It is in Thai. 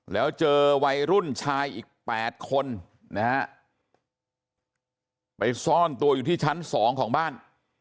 แล้วเจอวัยรุ่นชายอีก๘คนนะฮะไปซ่อนตัวอยู่ที่ชั้น๒ของบ้าน